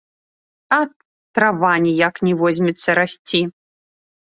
Ат, трава ніяк не возьмецца расці.